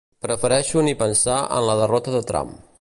Prefereixo ni pensar en la derrota de Trump